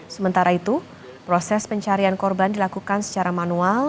sementara itu proses pencarian korban dilakukan secara manual